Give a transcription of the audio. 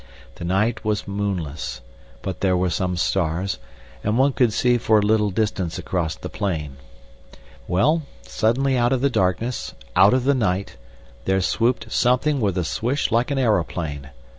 The night was moonless, but there were some stars, and one could see for a little distance across the plain. Well, suddenly out of the darkness, out of the night, there swooped something with a swish like an aeroplane.